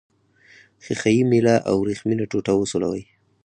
ښيښه یي میله او وریښمینه ټوټه وسولوئ.